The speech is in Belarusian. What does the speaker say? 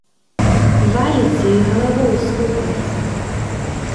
Валіцца і галавою стукнецца.